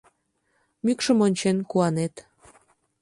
Мӱкшым ончен куанет.